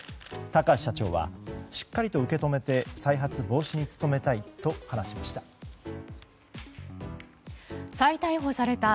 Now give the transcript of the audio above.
高橋社長はしっかりと受け止めて再発防止に努めたいと話しました。